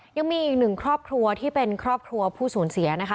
ยังมีอีกหนึ่งครอบครัวที่เป็นครอบครัวผู้สูญเสียนะคะ